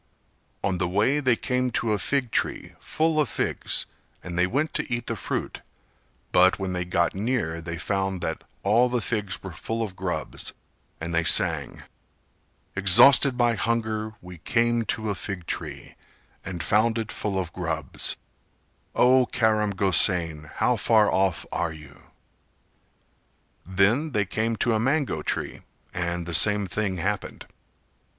On the way they came to a fig tree full of figs and they went to eat the fruit; but when they got near they found that all the figs were full of grubs, and they sang: "Exhausted by hunger we came to a fig tree, And found it full of grubs, O Karam Gosain, how far off are you?" Then they came to a mango tree and the same thing happened.